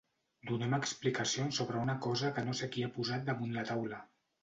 Donem explicacions sobre una cosa que no sé qui ha posat damunt la taula.